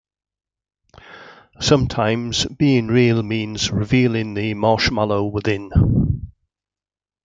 Sometimes being real means revealing the marshmallow within.